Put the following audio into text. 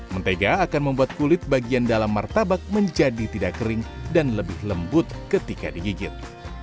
mentega akan membuat kulit bagian dalam martabak menjadi tidak kering dan lebih lembut ketika digigit